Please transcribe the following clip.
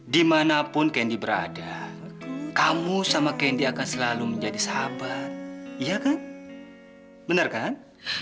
dimanapun candy berada kamu sama candy akan selalu menjadi sahabat iya kan benar kan